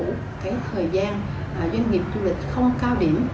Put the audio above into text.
một cái thời gian doanh nghiệp du lịch không cao điểm